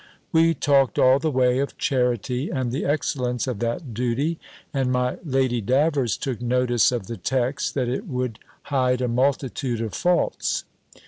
We talked all the way of charity, and the excellence of that duty; and my Lady Davers took notice of the text, that it would hide a multitude of faults.